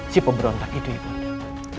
si pebrontak itu ibu undang